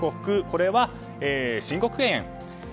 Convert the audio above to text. これは申告敬遠。